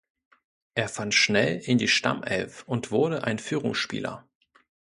Er fand schnell in die Stammelf und wurde ein Führungsspieler.